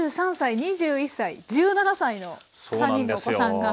今２３歳２１歳１７歳の３人のお子さんが？